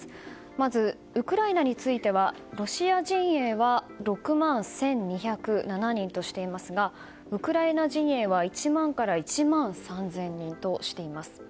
まずウクライナについてはロシア陣営は６万１２０７人としていますがウクライナ陣営は１万から１万３０００人としています。